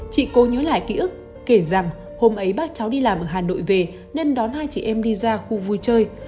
chị cố nhớ lại ký ức kể rằng hôm ấy bác cháu đi làm ở hà nội về nên đón hai chị em đi ra khu vui chơi